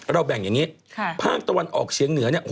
แบ่งอย่างนี้ภาคตะวันออกเฉียงเหนือเนี่ย